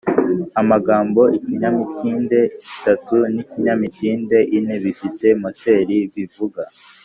Amagambo ikinyamitende itatu n ikinyamitende ine bifite moteri bivuga